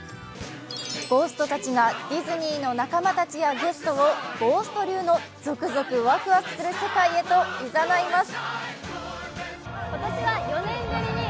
ゴーストたちがディズニーの仲間たちやゲストをゴースト流のゾクゾクワクワクする世界へといざないます。